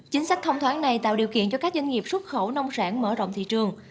chính sách thông thoáng này tạo điều kiện cho các doanh nghiệp xuất khẩu nông sản mở rộng thị trường